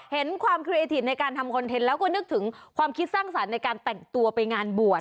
เห็นความเครียธิตในการทำคอนเทนต์แล้วก็นึกถึงความคิดสร้างสรรค์ในการแต่งตัวไปงานบวช